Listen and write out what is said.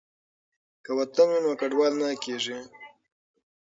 که وطن وي نو کډوال نه کیږي.